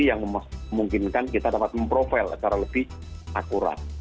yang memungkinkan kita dapat memprofile secara lebih akurat